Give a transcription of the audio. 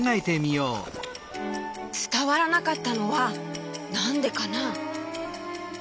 つたわらなかったのはなんでかな？